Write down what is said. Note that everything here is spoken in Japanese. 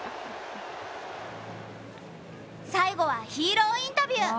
最後は、ヒーローインタビュー。